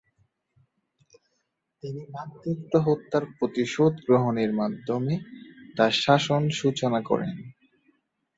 তিনি ভ্রাতৃহত্যার প্রতিশোধ গ্রহণের মাধ্যমে তাঁর শাসন সূচনা করেন।